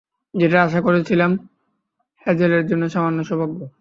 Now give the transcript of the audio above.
যেটার আশা করেছিলাম, হ্যাজেলের জন্য সামান্য সৌভাগ্য।